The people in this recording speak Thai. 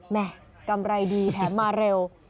แม่กำไรดีแถมมาเร็ว